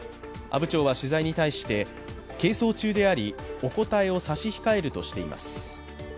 阿武町は取材に対して係争中でありお答えを差し控えるとしています。